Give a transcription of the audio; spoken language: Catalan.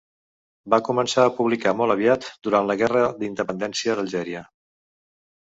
Va començar a publicar molt aviat, durant la Guerra d'Independència d'Algèria.